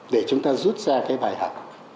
để chúng ta rút ra cái bài học